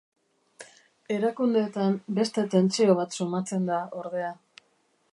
Erakundeetan beste tentsio bat sumatzen da, ordea.